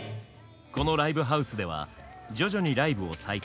このライブハウスでは徐々にライブを再開。